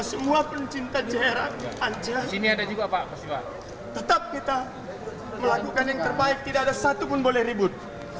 semua pencinta jr ance tetap kita melakukan yang terbaik tidak ada satu pun boleh ribut